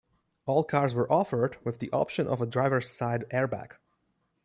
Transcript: All cars were offered with the option of a driver's side airbag.